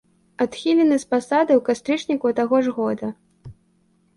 Адхілены з пасады ў кастрычніку таго ж года.